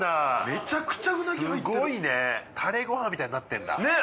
めちゃくちゃうなぎ入ってるすごいねタレご飯みたいになってんだねえ